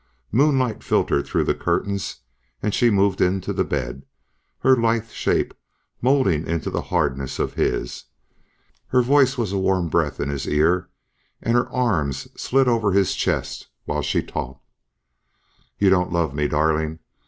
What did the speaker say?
Moonlight filtered through the curtains and she moved into the bed, her lithe shape molding into the hardness of his. Her voice was a warm breath in his ear and her arms slid over his chest while she talked. "You don't love me, darling.